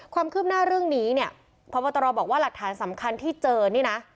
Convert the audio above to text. ความคืบหน้าเรื่องนี้เนี่ยพบตรบอกว่าหลักฐานสำคัญที่เจอนี่นะ